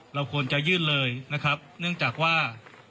เราควรจะยื่นเลยนะครับเนื่องจากว่า